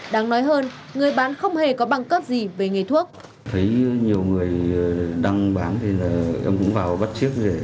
đáng nói hơn người bán không hề có bằng cấp gì về nghề thuốc